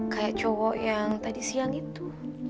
kayak cowok yang tadi siang itu